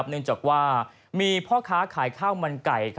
เนื่องจากว่ามีพ่อค้าขายข้าวมันไก่